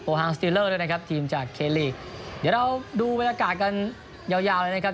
ฮังสติลเลอร์ด้วยนะครับทีมจากเคลีกเดี๋ยวเราดูบรรยากาศกันยาวยาวเลยนะครับ